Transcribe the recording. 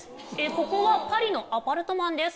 ここはパリのアパルトマンです